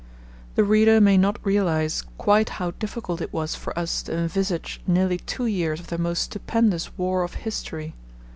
The reader may not realize quite how difficult it was for us to envisage nearly two years of the most stupendous war of history.